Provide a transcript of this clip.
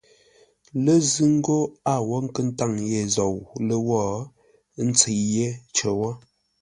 Lə́ zʉ́ ńgó a wó nkə́ ntâŋ ye zou lə́wó, ə́ ntsə̌i yé cər wó.